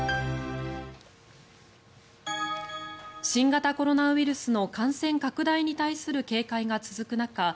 新型コロナウイルスの感染拡大に対する警戒が続く中